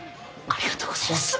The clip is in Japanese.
ありがとうございます。